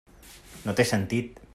No té sentit.